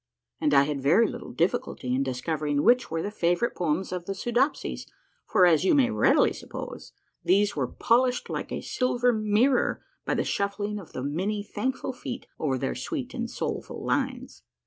And I had very little difficulty in discovering which were the favorite poems of the Soodopsies, for, as you may readily suppose, these were polished like a silver mirror by the shuffling of the many thankful feet over their sweet and soulful lines.